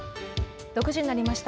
６時になりました。